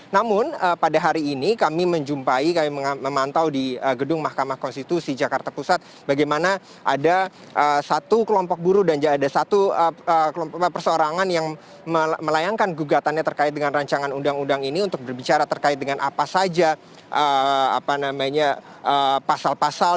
namun pada hari ini kami menjumpai kami memantau di gedung mahkamah konstitusi jakarta pusat bagaimana ada satu kelompok buruh dan ada satu kelompok perseorangan yang melayangkan gugatannya terkait dengan rancangan undang undang ini untuk berbicara terkait dengan apa saja pasal pasal